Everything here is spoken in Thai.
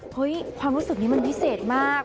ความรู้สึกนี้มันพิเศษมาก